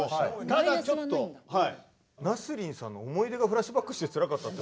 ただちょっとナスリンさんの「思い出がフラッシュバックしてつらかった」。